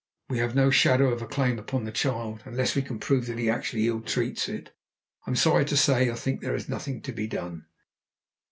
We have no shadow of a claim upon the child, and unless we can prove that he actually ill treats it, I'm sorry to say I think there is nothing to be done."